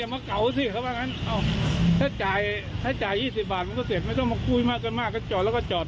ไม่เจอไม่เจอไปเข้าไปจอด